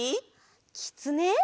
きつね！